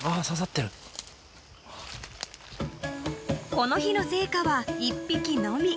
［この日の成果は１匹のみ］